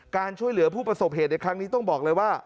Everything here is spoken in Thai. การช่วยเหลือผู้ประสบเหตุในครั้งนี้ต้องบอกเลยว่า